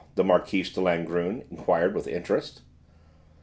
the Marquise de Langrune enquired with interest.